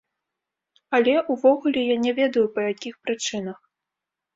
Але, увогуле, я не ведаю, па якіх прычынах.